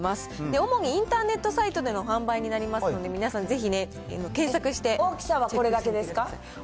主にインターネットサイトでの販売になりますので、皆さんぜひね、検索してチェックしてください。